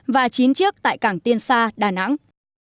và chín chiếc tại cảng tiên sa đà nẵng